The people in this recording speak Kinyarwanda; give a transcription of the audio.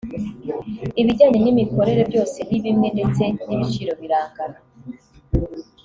ibijyanye n’imikorere byose ni bimwe ndetse n’ibiciro birangana